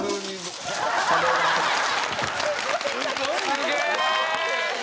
すげえ！